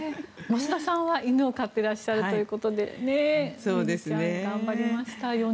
増田さんは犬を飼っていらっしゃるということでミリちゃん４０日頑張りました。